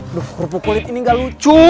aduh kerupuk kulit ini gak lucu